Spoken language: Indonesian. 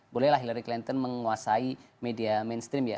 bolehlah hillary clinton menguasai media mainstream ya